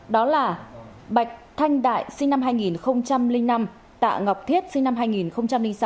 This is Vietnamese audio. đó là bạch thanh đại sinh năm hai nghìn năm tạ ngọc thiết sinh năm hai nghìn sáu